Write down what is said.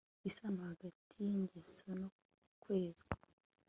Isano Hagati yIngeso no Kwezwa